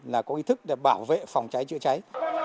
là có ý thức để bảo vệ phòng cháy chữa cháy